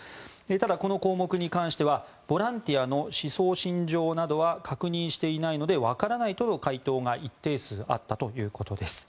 ただ、この項目に関してはボランティアの思想・信条などは確認していないのでわからないとの回答が一定数あったということです。